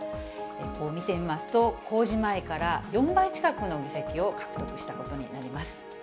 こう見てみますと、公示前から４倍近くの議席を獲得したことになります。